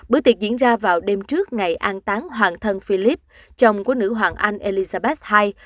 bữa tiệc diễn ra vào đêm trước ngày an táng hoàng thân philip chồng của nữ hoàng anh elizabas ii